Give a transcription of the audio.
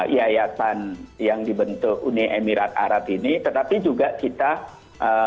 yayasan yang dibentuk uni emirat arab ini tetapi juga kita ee